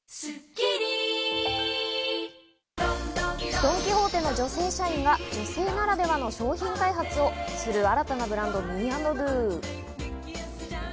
ドン・キホーテの女性社員が女性ならではの商品開発をする新たなブランド、ｍｅ＆ｄｏ。